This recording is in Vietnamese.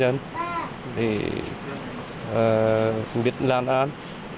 vì vậy tôi cũng biết làn án